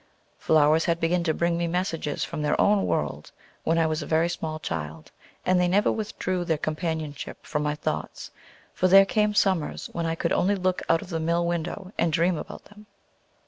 Flowers had begun to bring me messages from their own world when I was a very small child, and they never withdrew their companionship from my thoughts, for there came summers when I could only look out of the mill window and dream about them.